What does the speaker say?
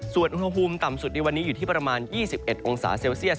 ส่วนอุณหภูมิต่ำสุดในวันนี้อยู่ที่ประมาณ๒๑องศาเซลเซียส